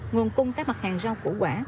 nguồn cung các mặt hàng rau củ quả